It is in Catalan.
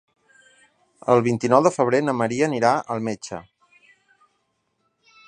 El vint-i-nou de febrer na Maria anirà al metge.